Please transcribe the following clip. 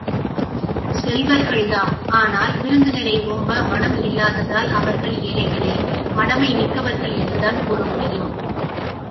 செல்வர்கள்தாம் ஆனால் விருந்தினரை ஓம்ப மனம் இல்லாததால் அவர்கள் ஏழைகளே மடமை மிக்கவர்கள் என்றுதான் கூற முடியும்.